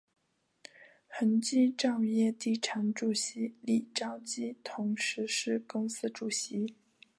恒基兆业地产主席李兆基同时是公司主席。